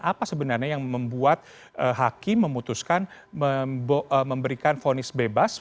apa sebenarnya yang membuat hakim memutuskan memberikan fonis bebas